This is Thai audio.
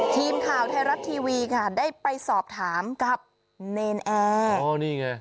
ทีมข่าวไทยรัฐทีวีค่ะได้ไปสอบถามกับเนรนแอร์อ๋อนี่ไง